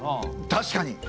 確かに！